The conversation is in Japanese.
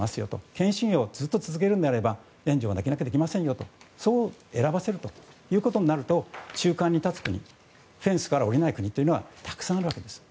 権威主義をずっと続けるのであれば援助はなかなかできませんよとそう選ばせることになると中間に立つ国フェンスから下りない国はたくさんあるわけです。